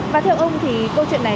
và theo ông thì câu chuyện này